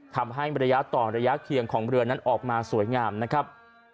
ทำให้ระยะต่อระยะเคียงของเรือนั้นออกมาสวยงามนะครับ